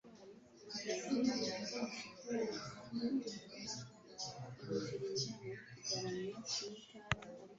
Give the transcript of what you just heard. Nta gushidikanya ko ibiciro bizamuka